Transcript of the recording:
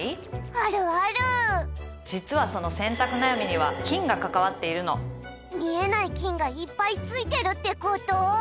あるある実はその洗濯悩みには菌が関わっているの見えない菌がいっぱい付いてるってこと？